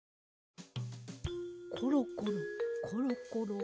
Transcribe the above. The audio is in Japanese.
コロコロコロコロ。